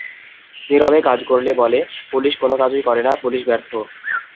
নীরবে কাজ করলে বলে, পুলিশ কোনো কাজই করে না, পুলিশ ব্যর্থ।